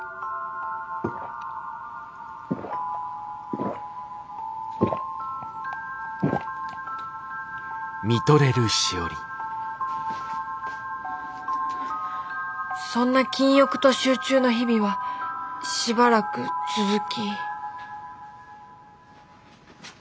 心の声そんな禁欲と集中の日々はしばらく続き。